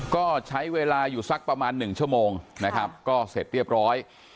ก็ใช้เวลาอยู่สักประมาณหนึ่งชั่วโมงนะครับก็เสร็จเรียบร้อย